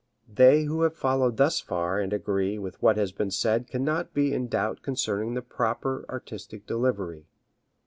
They who have followed thus far and agree with what has been said cannot be in doubt concerning the proper artistic delivery.